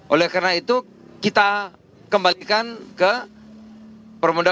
oleh karena itu kita kembalikan ke permendak dua puluh lima